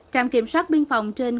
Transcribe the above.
trạm kiểm soát biên phòng trên